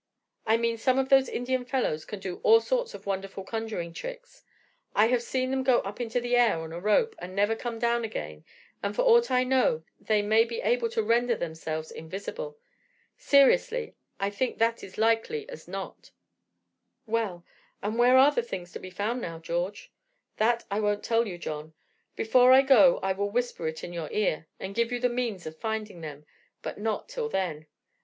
"I mean some of those Indian fellows can do all sorts of wonderful conjuring tricks. I have seen them go up into the air on a rope and never come down again, and for aught I know they may be able to render themselves invisible. Seriously, I think that it is likely as not." "Well, and where are the things to be found now, George?" "That I won't tell you, John. Before I go I will whisper it in your ear, and give you the means of finding them, but not till then.